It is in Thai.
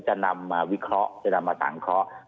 จะนำมาวิเคราะห์จะนำมาสังเคราะห์